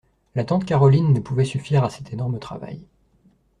La tante Caroline ne pouvait suffire à cet énorme travail.